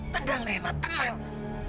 tenang nenek tenang